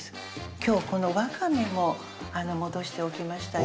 今日このわかめも戻しておきましたよ